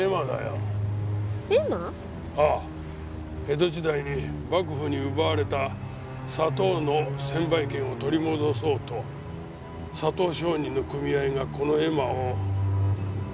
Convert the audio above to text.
江戸時代に幕府に奪われた砂糖の先買権を取り戻そうと砂糖商人の組合がこの絵馬を。